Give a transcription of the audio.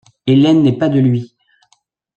Hélène n’est pas de lui!